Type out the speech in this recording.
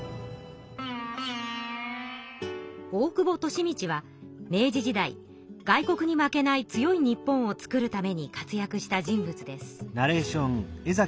大久保利通は明治時代外国に負けない強い日本をつくるために活躍した人物です。